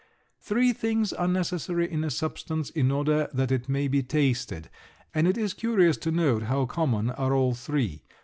Three things are necessary in a substance in order that it may be tasted, and it is curious to note how common are all three.